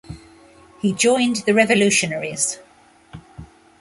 He joined the Revolutionaries.